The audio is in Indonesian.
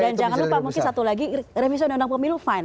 dan jangan lupa mungkin satu lagi revisi undang undang pemilu fine